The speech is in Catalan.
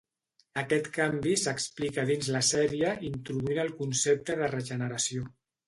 Aquest canvi s'explica dins la sèrie introduint el concepte de regeneració.